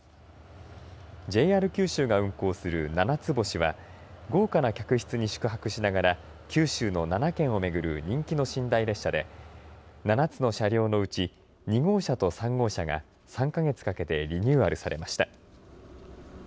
ＪＲ九州が運行する、ななつ星は豪華な客室に宿泊しながら九州の７県を巡る人気の寝台列車で７つの車両のうち２号車と３号車が３か月かけてリニューアルされました。